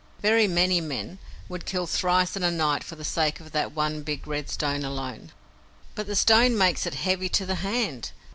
Very many men would kill thrice in a night for the sake of that one big red stone alone." "But the stone makes it heavy to the hand.